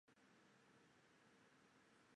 本科植物通常有着细长的茎与叶。